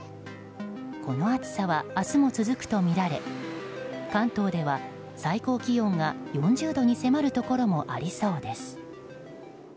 この暑さは、明日も続くとみられ関東では最高気温が４０度に迫るところもありそうです。